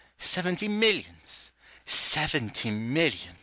Seventy millions ! seventy millions